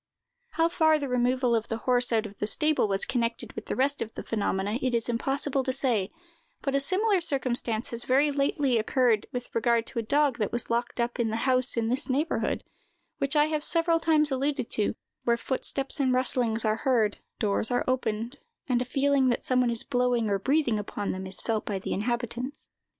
How for the removal of the horse out of the stable was connected with the rest of the phenomena, it is impossible to say; but a similar circumstance has very lately occurred with regard to a dog that was locked up in the house in this neighborhood, which I have several times alluded to, where footsteps and rustlings are heard, doors are opened, and a feeling that some one is blowing or breathing upon them is felt by the inhabitants.